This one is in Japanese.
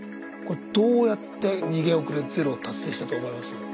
これどうやって逃げ遅れゼロを達成したと思います？